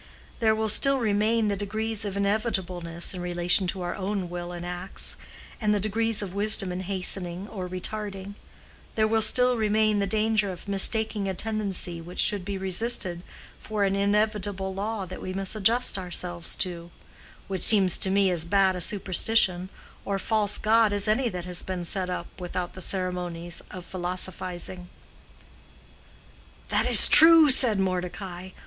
"There will still remain the degrees of inevitableness in relation to our own will and acts, and the degrees of wisdom in hastening or retarding; there will still remain the danger of mistaking a tendency which should be resisted for an inevitable law that we must adjust ourselves to,—which seems to me as bad a superstition or false god as any that has been set up without the ceremonies of philosophizing." "That is a truth," said Mordecai.